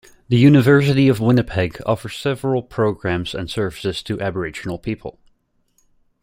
The University of Winnipeg offers several programs and services to Aboriginal people.